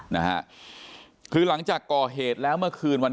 นะฮะคือหลังจากก่อเหตุแล้วเมื่อคืนวัน